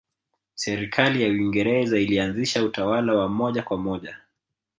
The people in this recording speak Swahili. Serikali ya Uingereza ilianzisha utawala wa moja kwa moja